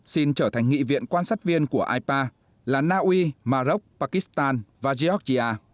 xin trở thành nghị viện quan sát viên của ipa là naui maroc pakistan và georgia